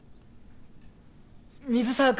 水沢君